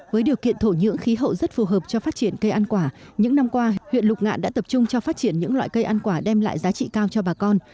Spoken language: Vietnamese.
với điều kiện thổ nhưỡng khí hậu rất phù hợp cho phát triển cây ăn quả những năm qua huyện lục ngạn đã tập trung cho phát triển những loại cây ăn quả đem lại giá trị cao cho bà con